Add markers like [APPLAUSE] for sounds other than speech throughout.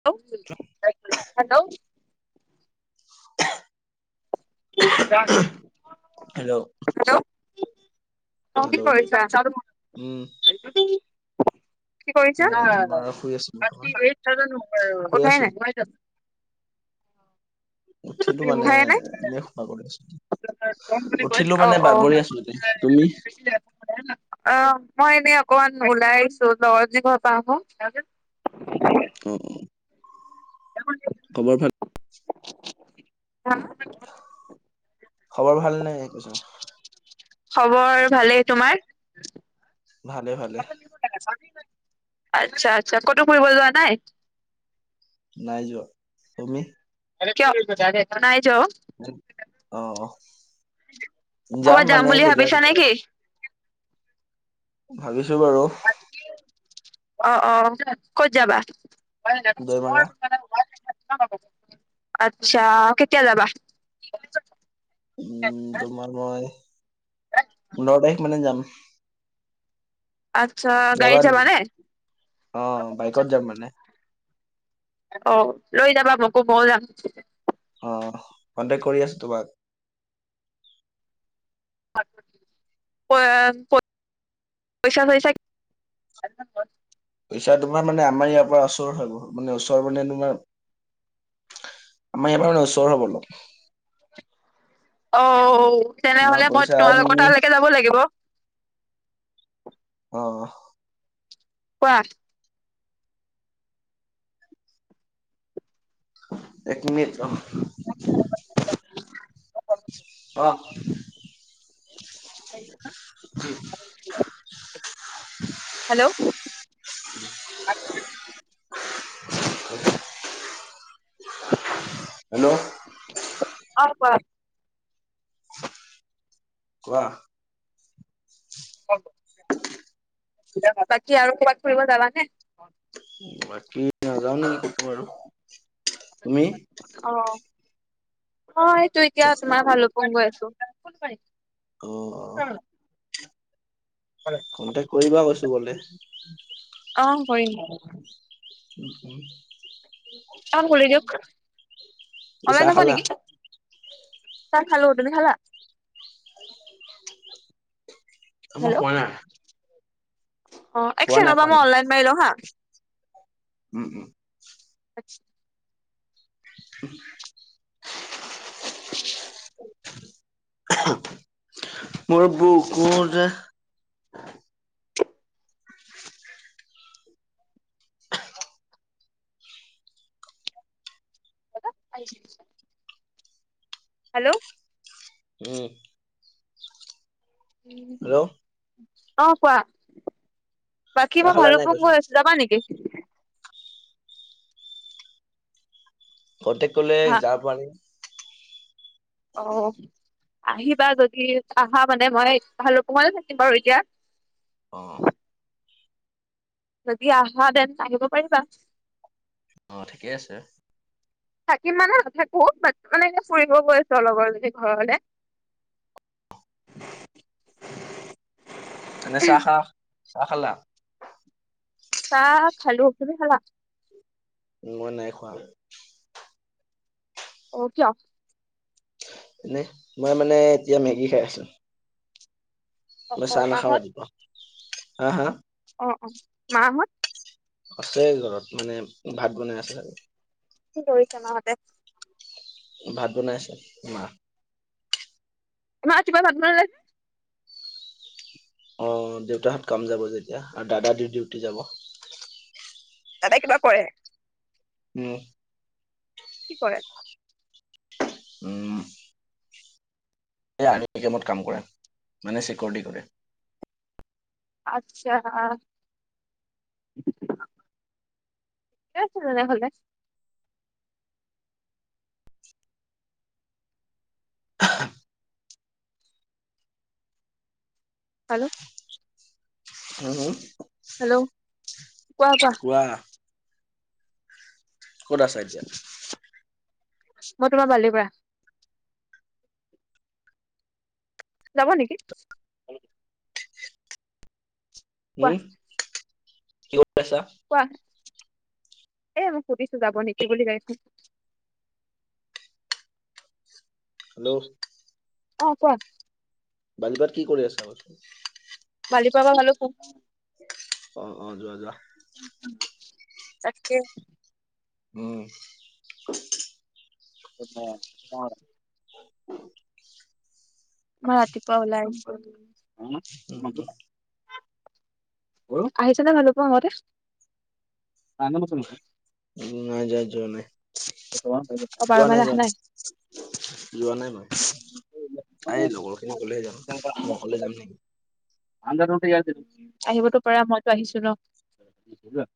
ল্লো', hello, [UNINTELLIGIBLE] [UNINTELLIGIBLE] hello hello, [UNINTELLIGIBLE] অঁ কি hello কৰিছা? উম কি কৰিছা? মই তোমাৰ শুই আছো বৰ্তমান [UNINTELLIGIBLE] শুই উঠাই আছো নাই? উঠিলো মানে এনে খোৱা কৰি আছো। কম বুলি কৈ উঠিলো [UNINTELLIGIBLE] মানে অ', বাগৰি আছো এনে তুমি অ',। অ', মই এনেই অকমান ওলাই আহিছো দৰজি ঘৰ পা আহো। [INAUDIBLE] উম- উম। খবৰ ভাল? অ [UNINTELLIGIBLE] খবৰ ভাল নাই একৈছোন। খবৰ ভালেই, তোমাৰ? ভালে ভালে সেইটো চাবি ইমান আচ্ছা- আচ্ছা ক'তো ফুৰিব যোৱা নাই? নাই যোৱা তুমি? কিয় নাই যোৱা অ'? যা অহ অ ক'ৰবাত যাম মানে বুলি কেইদিনমান ভাবিছা নে পিছত কি? ভাবিছো বাৰু। অ অ ক'ত যাবা? দৈমাৰা আচ্ছা কেতিয়া যাবা? উম, তোমাৰ মই পোন্ধৰ তাৰিখ মানে যাম। আচ্ছা গাড়ীত যাবা নে অ বাইকত যাম মানে অ লৈ যাবা মোকো মইয়ো যাম অ কণ্টেক্ট কৰি আছো তোমাক প পইচা চইচা পইছা তোমাৰ মানে আমাৰ ইয়াৰ পৰা ওচৰ হয় বহুত মানে ওচৰ মানে তোমাৰ আমাৰ ইয়াপা মানে ওচৰ হ'ব অলপ অ তোমাৰ তেনেহলে মই পইচা তোমালোকৰ তুমি তালৈকে যাব লাগিব অ কোৱা এক মিনিট ৰ অ হেৰিপা উম হেল্ল' [UNINTELLIGIBLE] হেল্ল' অ কোৱা কোৱা অ বাকি আৰু ক'ৰবাত ফুৰিব যাবানে বাকী নাযাও নেকি কতো আৰু তুমি অ অ এইটো এতিয়া তোমাৰ ভাল মই গৈ আছো অ কণ্টেক কৰিবা কৈছো গলে অ কৰিম অ', খুলি দিয়ক উ অনলাইন চাহ হ'ব খালা নেকি চাহ খালো তুমি খালা মই হেল্ল' খোৱা নাই অ খোৱা একচেকেণ্ড নাই ৰবা খোৱা মই নাই অনলাইন মাৰি লও হা উম উম আচ্ছা উ [UNINTELLIGIBLE] ওহো মোৰ বুকুৰে এহ [UNINTELLIGIBLE] হেল্ল' উম হেল্ল' অ কোৱা বাকী চাহ মই খালা নাই ভালোকপোং কৈছো গৈ আছো যাবা নেকি কণ্টেক কৰিলে হা যাব পাৰিম অ আহিবা যদি আহা মানে মই ভালোক পোঙতে থাকিম বাৰু এতিয়া। অ, যদি আহা তেন্তে আহিব পাৰিবা। অ ঠিকেই আছে। থাকিম মানে নাথাকো বাট মানে এনে ফুৰিব গৈছো লগৰ জনীৰ ঘৰলে। [INAUDIBLE] আ চাহ খাহ চাহ খলা। চাহ খালো তুমি খালা। মই নাই খোৱা। অ কিয়। এনেই মই মানে এতিয়া মেগী খাই আছো। অ মই অ চাহ নাখাও মাহত ৰাতিপুৱা হা হা। অ অ মাহত। আছে ঘৰত মানে ভাত বনাই আছে চাগে। কি কৰিছে মাহঁতে। ভাত বনাই আছে মাহ, ইমান ৰাতিপুৱাই ভাত বনালে, অ দেউতাহঁত কাম যাব যে এতিয়া আৰু দাদা দি ডিউটি যাব। দাদাই কিবা কৰে। উম, কি কৰে। উম এই আৰ্মি কেমত কাম কৰে মানে চিকিউৰিটি কৰে। আচ্ছা আ, ঠিকে আছে তেনে হলে। হেল্ল', হেল্ল, হেল্ল' কোৱা কোৱা। ক'ত আছা এতিয়া। মই তোমাৰ বালিৰ পৰা। যাব নেকি। কোৱা উম কত পইচা। কোৱা এ মই সুধিছো যাব নেকি বুলি গাঢ়ী খন। হেল্ল', অ কোৱা। বালিপাৰাত কি কৰি আছা কৈছো। বালিপাৰা পৰা ভালোক পোঙ। অ অ যোৱা যোৱা। তাকে। উম, [UNINTELLIGIBLE] [UNINTELLIGIBLE] ইমান ৰাতিপুৱা উলাই আহিছো আজি। উম, আহিছে নে ভালোক পোঙ আগতে। [UNINTELLIGIBLE] উ নাই যোৱা যোৱা নাই। অ বাৰ মানে অহা নাই। যোৱা নাই মই আৰে লগৰ খিনি গলেহে যাম মই অকলে যাম নেকি। [UNINTELLIGIBLE] আহিবতো পাৰা মইতো আহিছো ন।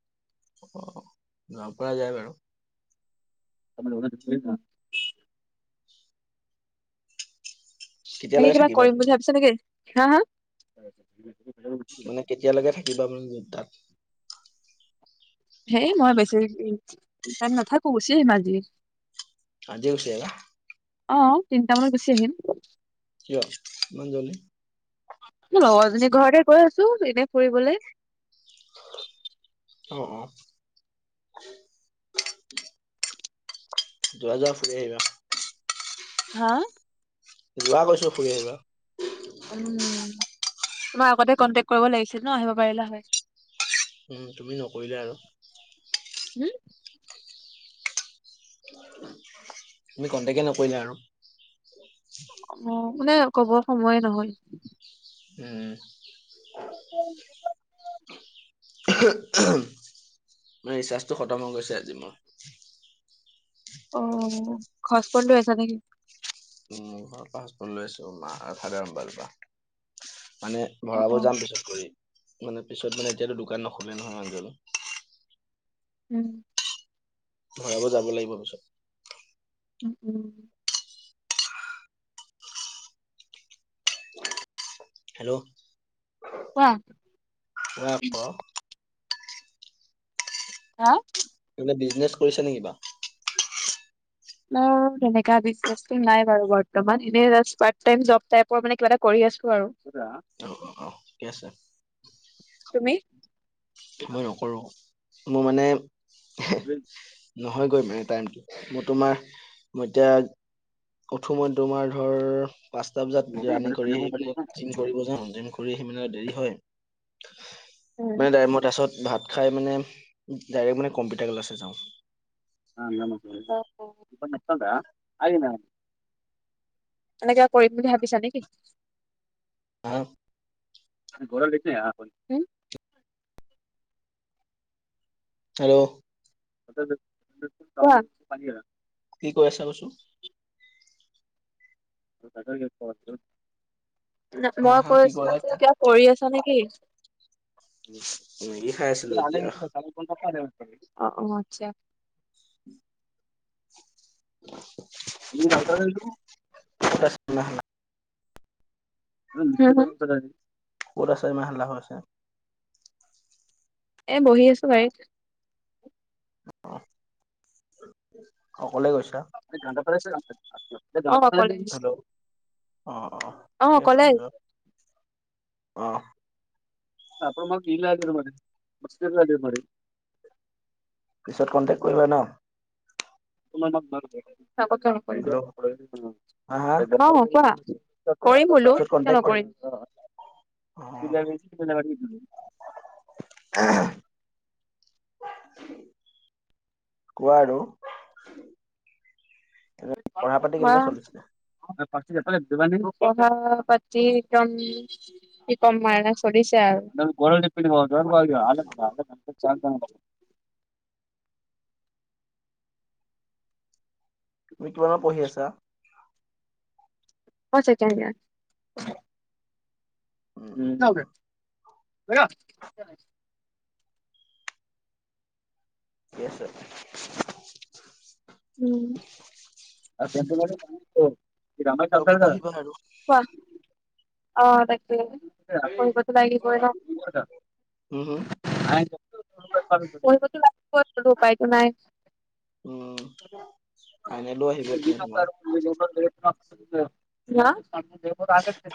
অ, গোৱালপাৰা যায় বাৰু। [UNINTELLIGIBLE] বাকি কেতিয়ালৈকে কিবা থাকিবা কৰিম তুমি বুলি ভাবিছা নেকি হা- হা মানে কেতিয়ালৈকে থাকিবা মান তাত? হেই মই বেছি [UNINTELLIGIBLE] টাইম নাথাকো গুচি আহিম আজি। আজি গুচি আহিবা? অ, তিনটা মানত গুচি আহিম। কিয় ইমান জল্দি? মোৰ লগৰজনীৰ ঘৰতহে গৈ আছো এনে ফুৰিবলে। অ', অ', যোৱা- যোৱা ফুৰি আহিবা। হা? যোৱা কৈছো ফুৰি আহিবা। উম, তোমাক আগতে কণ্টেক্ট কৰিব লাগিছিল ন' আহিব পাৰিলা হয়। উম, তুমি নকৰিলা আৰু। উম? তুমি কন্টেকে নকৰিলা আৰু। অ, মানে ক'ব সময়ে নহয়। উম, [UNINTELLIGIBLE] [UNINTELLIGIBLE] মানে ৰিচাৰ্জটো খতম হৈ গৈছে আজি মোৰ। অ, ঘচপট লৈ আছা নেকি? উম, ঘৰৰ পাছ [UNINTELLIGIBLE] লৈ আছো মা ফাদাৰৰ মবাইলৰ পৰা মানে অ ভৰাব অ যাম পিছত কৰি মানে পিছত মানে এতিয়াতো দোকান নোখোলে নহয় মানুহজনে। হম। ভৰাব যাব লাগিব পিছত। উম - উম হেল্ল', কোৱা কোৱা আকৌ? হা? টোহনে বিজনেছ কৰিছ নেকি কিবা? ন' তেনেকা বিজনেছটো নাই বাৰু বৰ্তমান এনে জাষ্ট পাৰ্টটাইম জব টাইপৰ মানে কিবা এটা কৰি আছো আৰু। [UNINTELLIGIBLE] অ', অ', অ', ঠিকে আছে। তুমি? মই নকৰোঁ মোৰ মানে [UNINTELLIGIBLE] নহয় গৈ মানে টাইমটো মই তোমাৰ মই এতিয়া উঠো মই তোমাৰ ধৰ পাঁচটা বজাত ৰানিং কৰি আহি পেলাই জিম কৰিব যাও জিম কৰি আহি মানে দেৰি হয় উম মানে টাইম তাছত ভাত খাই মানে ডাইৰেক্ট মানে কম্পিউটাৰ ক্লাছে যাওঁ। [UNINTELLIGIBLE] এনেকে কৰিম বুলি ভাবিছা নেকি? আহ তুমি গৰলেইকে আহা কৰিম উম। হেল্ল', [UNINTELLIGIBLE] কোৱা? কি কৈ আছা কচো [UNINTELLIGIBLE] মই হা হা কৈ কি আঁছো ক'লা যে এতিয়া? কিবা কৰি আছা নেকি? মেগী খাই আছিলো এতিয়া। অ', অ', আচ্ছা। [INAUDIBLE] [UNINTELLIGIBLE] [UNINTELLIGIBLE] [UNINTELLIGIBLE] ক'ত আছা ইমান হাল্লা হৈ আছে? এ বহি আছো গাড়ীত। অ অকলে গৈছা? [UNINTELLIGIBLE] অ কলেজ, হেল্ল' অ' অ ঠিকে আছে অকলে যোৱা। আহিছো। অ। [UNINTELLIGIBLE] পিছত কণ্টেক্ট কৰিবা ন? হেল্ল' হা হা [UNINTELLIGIBLE] অ কোৱা। [UNINTELLIGIBLE] কৰিম বোলো পিছত কিয় কন্টেক্ট কৰিম। নকৰিম? অ' [UNINTELLIGIBLE] [UNINTELLIGIBLE] কোৱা আৰু? পঢ়া পাতি কোৱা। কেনেকুৱা [UNINTELLIGIBLE] চলিছে? কথা পাতি একদম কি কম মই এনে চলিছে আৰু। [UNINTELLIGIBLE] তুমি কিমানত পঢ়ি আছা? মই ছেকেণ্ড ইয়াৰ। উম উ উম [UNINTELLIGIBLE] কি আছে? উম। [UNINTELLIGIBLE] [UNINTELLIGIBLE] ভালকে কোৱা, পঢ়িবা আৰু অ তাকে। [UNINTELLIGIBLE] পঢ়িবটো লাগিবই ন। উম হম [UNINTELLIGIBLE] পঢ়িবটো লাগিবই বোলো উপায়টো নাই। অ ফাইনেলো আহিব এতিয়া তোমাৰ। [UNINTELLIGIBLE] য়া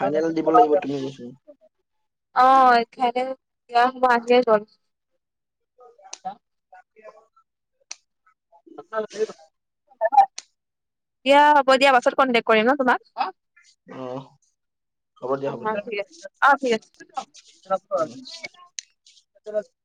ফাইনেল দিব লাগিব তুমি কৈছো অ [UNINTELLIGIBLE] গ'ল। [UNINTELLIGIBLE] [UNINTELLIGIBLE] দিয়া হ'ব দিয়া পাছত কন্টেক কৰিম ন তোমাক? [UNINTELLIGIBLE] অ হ'ব অ দিয়া হ'ব দিয়া ঠিক আছে, আহ ঠিক আছে। উম [UNINTELLIGIBLE]